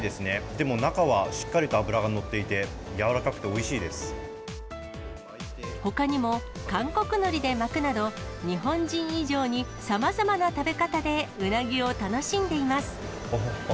でも中は、しっかりと脂が乗っていて、ほかにも韓国のりで巻くなど、日本人以上にさまざまな食べ方でうなぎを楽しんでいます。